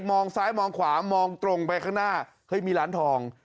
มองซ้ายมองขวามองตรงไปข้างหน้าเฮ้ยมีร้านทอง